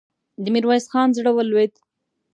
د ميرويس خان زړه ولوېد.